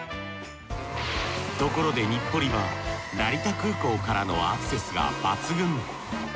ところで日暮里は成田空港からのアクセスが抜群。